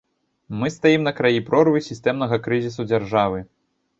Мы стаім на краі прорвы сістэмнага крызісу дзяржавы.